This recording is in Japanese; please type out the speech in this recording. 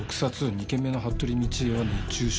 ２件目の服部倫恵は熱中症。